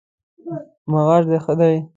معاش د ښه دی؟